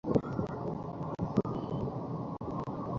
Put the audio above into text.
সব মাতালদেরই একটা গল্প থাকে।